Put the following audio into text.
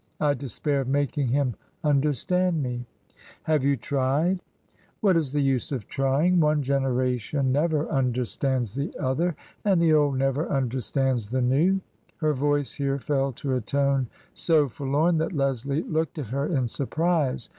I despair of making him understand me." a Have you tried ?"" What is the use of trying ? One generation never understands the other. And the old never understands the new." Her voice here fell to a tone so forlorn that Leslie looked at her in surprise.